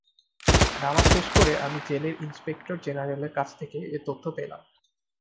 নামাজ শেষ করে আমি জেলের ইন্সপেক্টর জেনারেলের কাছ থেকে এ তথ্য পেলাম।